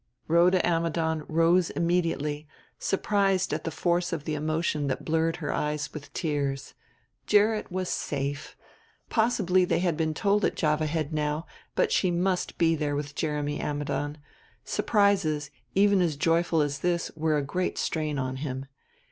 Rhoda Ammidon rose immediately, surprised at the force of the emotion that blurred her eyes with tears. Gerrit was safe! Possibly they had been told at Java Head now, but she must be there with Jeremy Ammidon; surprises, even as joyful as this, were a great strain on him.